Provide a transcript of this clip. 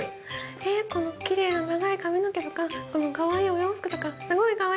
えこのキレイな長い髪の毛とかこのかわいいお洋服とかすごいかわいくて。